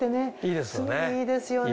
いいですよね。